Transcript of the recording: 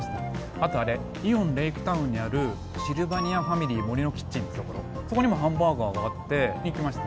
あとあれイオンレイクタウンにあるシルバニア森のキッチンっていうところそこにもハンバーガーがあって行きました